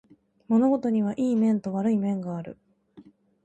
物事にはいい面と悪い面がある